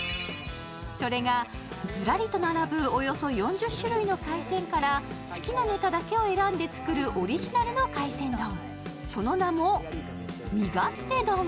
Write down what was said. それが、ずらりと並ぶおよそ４０種類の海鮮から好きなネタだけを選んで作るオリジナルの海鮮丼、その名も味勝手丼。